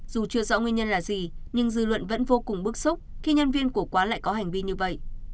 dù chưa rõ nguyên nhân là gì nhưng dư luận vẫn vô cùng bức xúc khi nhân viên của quán lại có hành vi như vậy